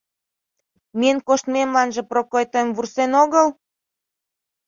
— Миен коштметланже Прокой тыйым вурсен огыл?